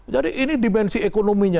jadi ini dimensi ekonominya